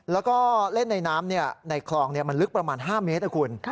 แล้วก็เล่นในน้ำในคลองมันลึกประมาณ๕เมตรนะคุณ